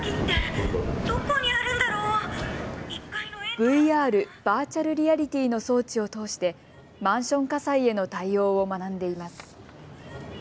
ＶＲ・バーチャルリアリティーの装置を通してマンション火災への対応を学んでいます。